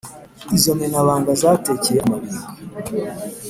Izo menabanga zatekeye amabinga